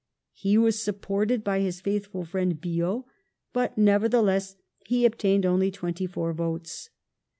He was supported by his faithful friend Biot, but, nevertheless, he ob tained only 24 votes.